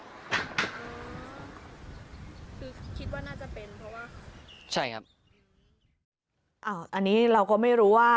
คือคิดว่าน่าจะเป็นเพราะว่าใช่ครับอ่าอันนี้เราก็ไม่รู้ว่า